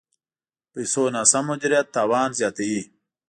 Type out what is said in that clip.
د پیسو ناسم مدیریت تاوان زیاتوي.